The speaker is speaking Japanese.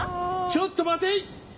ちょっと待てい！